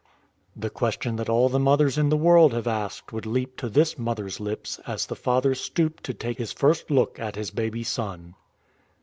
" W The question that all the mothers in the world have asked would leap to this mother's lips as the father stooped to take his first look at his baby son.